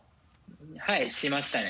はいしましたね。